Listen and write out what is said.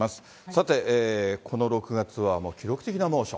さて、この６月は記録的な猛暑。